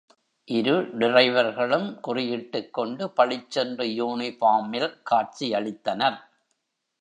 இரு டிரைவர்களும் குறியிட்டுக் கொண்டு பளிச்சென்று யூனிபார்ம் மில் காட்சியளித்தனர்.